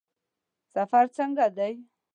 سفر څنګه دی؟